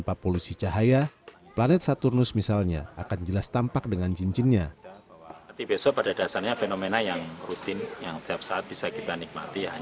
maka kita akan melihat keindahan langit yang lain daripada yang lain